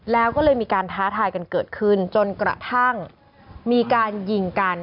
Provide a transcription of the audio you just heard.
แล้วก็เลยมีการท้าทายกันเกิดขึ้นจนกระทั่งมีการยิงกัน